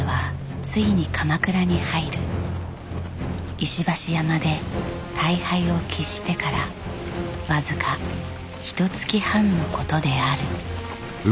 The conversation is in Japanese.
石橋山で大敗を喫してから僅かひとつき半のことである。